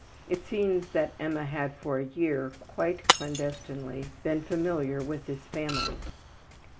It seems that Emma had for a year, quite clandestinely, been familiar with this family.